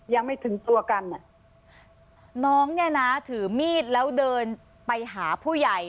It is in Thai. ยังไม่ถึงตัวกันอ่ะน้องเนี่ยนะถือมีดแล้วเดินไปหาผู้ใหญ่